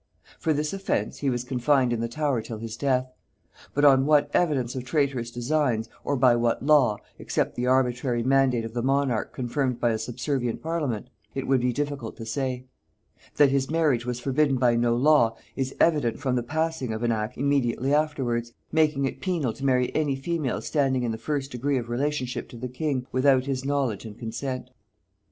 For this offence he was confined in the Tower till his death; but on what evidence of traitorous designs, or by what law, except the arbitrary mandate of the monarch confirmed by a subservient parliament, it would be difficult to say. That his marriage was forbidden by no law, is evident from the passing of an act immediately afterwards, making it penal to marry any female standing in the first degree of relationship to the king, without his knowledge and consent.